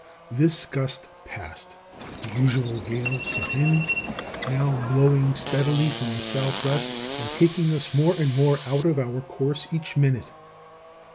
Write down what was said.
This gust passed, the usual gale set in, now blowing steadily from the southwest, and taking us more and more out of our course each minute.